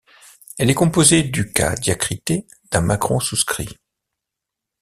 Elle est composé du kha diacrité d’un macron souscrit.